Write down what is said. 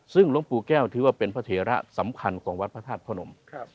ซึ่งหลวงปู่แก้วถือว่าเป็นพระเถระสำคัญของวัดพระธาตุพระนม